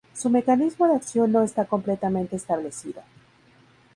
Su mecanismo de acción no está completamente establecido.